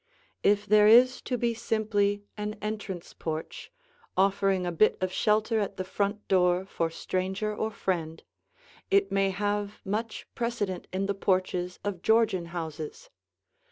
If there is to be simply an entrance porch, offering a bit of shelter at the front door for stranger or friend, it may have much precedent in the porches of Georgian houses.